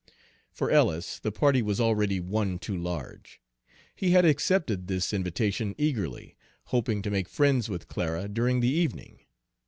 For Ellis the party was already one too large. He had accepted this invitation eagerly, hoping to make friends with Clara during the evening.